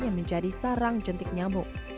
yang menjadi sarang jentik nyamuk